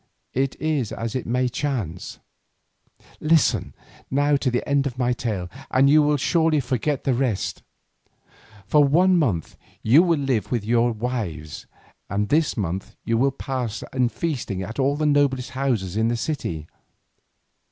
It is as it may chance. Listen now to the end of my tale and you will surely forget the rest. For one month you will live with your wives, and this month you will pass in feasting at all the noblest houses in the city.